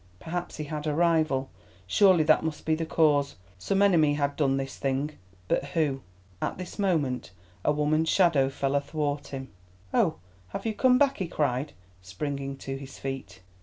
Perhaps he had a rival, surely that must be the cause. Some enemy had done this thing. But who? At this moment a woman's shadow fell athwart him. "Oh, have you come back?" he cried, springing to his feet.